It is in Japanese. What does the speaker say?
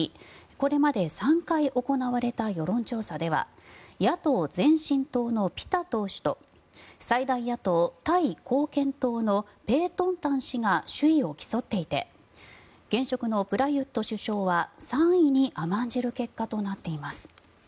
これまで３回行われた世論調査では野党・前進党のピタ党首と最大野党・タイ貢献党のペートンタン氏が首位を競っていて現職のプラユット首相は３位に甘んじる結果となっています。